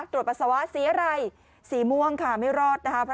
ปัสสาวะสีอะไรสีม่วงค่ะไม่รอดนะคะ